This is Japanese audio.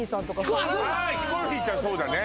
あヒコロヒーちゃんそうだね